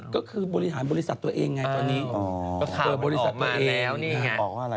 ก็คือบริหารบริษัทตัวเองไงตอนนี้อ๋อบริษัทก็ออกมา